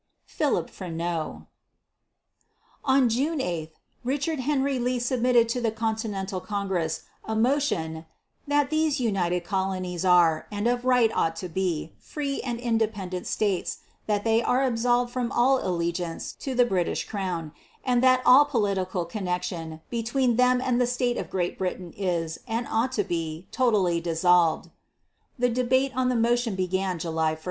PHILIP FRENEAU. On June 8 Richard Henry Lee submitted to the Continental Congress a motion "That these United Colonies are, and of right ought to be, free and independent States; that they are absolved from all allegiance to the British Crown; and that all political connection between them and the state of Great Britain is, and ought to be, totally dissolved." The debate on the motion began July 1.